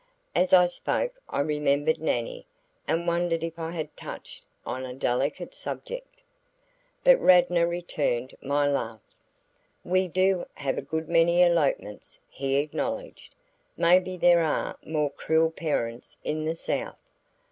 As I spoke I remembered Nannie and wondered if I had touched on a delicate subject. But Radnor returned my laugh. "We do have a good many elopements," he acknowledged. "Maybe there are more cruel parents in the South."